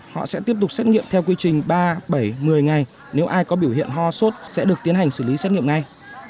họ sẽ tiếp tục xét nghiệm theo quy trình ba bảy một mươi ngày nếu ai có biểu hiện ho sốt sẽ được tiến hành xử lý xét nghiệm ngay